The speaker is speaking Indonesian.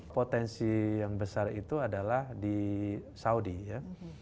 potensi yang besar itu adalah di saudi ya